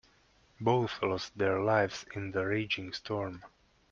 Both lost their lives in the raging storm.